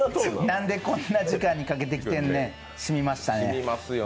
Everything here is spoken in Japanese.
なんでこんな時間にかけてきてんねん、しみました。